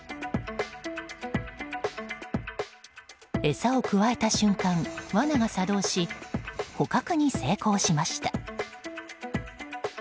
餌をくわえた瞬間、わなが作動し捕獲に成功しました。